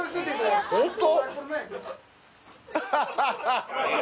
ホント？